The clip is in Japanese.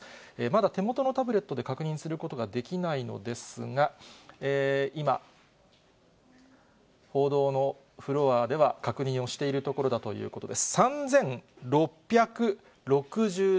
まだ手元のタブレットで確認することができないのですが、今、報道のフロアでは、確認をしているところだということです。